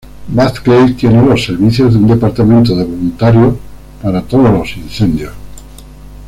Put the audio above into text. Bat Cave tiene los servicios de un departamento de voluntarios, para todos los incendios.